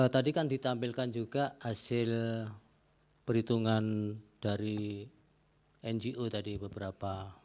tadi kan ditampilkan juga hasil perhitungan dari ngo tadi beberapa